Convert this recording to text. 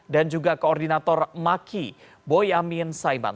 dan juga koordinator maki boyamin saiman